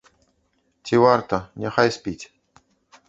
Ці варта, няхай спіць.